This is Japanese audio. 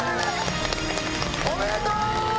おめでとう！